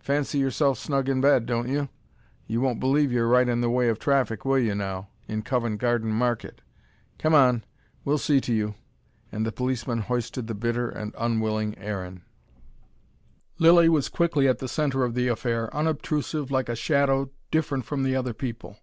Fancy yourself snug in bed, don't you? You won't believe you're right in the way of traffic, will you now, in Covent Garden Market? Come on, we'll see to you." And the policeman hoisted the bitter and unwilling Aaron. Lilly was quickly at the centre of the affair, unobtrusive like a shadow, different from the other people.